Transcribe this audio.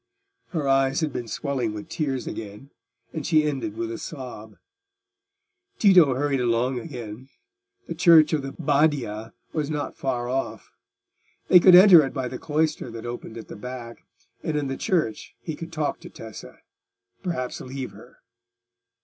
Her eyes had been swelling with tears again, and she ended with a sob. Tito hurried along again: the Church of the Badia was not far off. They could enter it by the cloister that opened at the back, and in the church he could talk to Tessa—perhaps leave her.